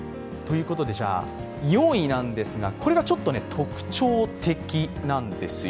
４位なんですが、ちょっと特徴的なんですよ。